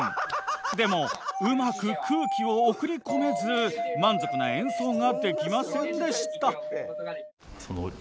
でもうまく空気を送り込めず満足な演奏ができませんでした。